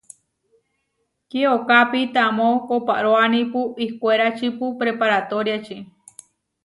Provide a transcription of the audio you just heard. Kiokápi tamó kooparoánipu ihkwéračipu preparatoriači.